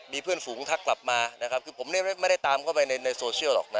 มีเพื่อนฝูงทักกลับมาคือผมนี่ไม่ได้ตามเขาไปในโซเชียลหรอก